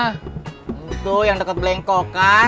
tentu yang deket belengkok kan